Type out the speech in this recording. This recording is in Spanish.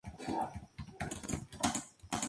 Mal tratada, la enfermedad nunca quedó erradicada.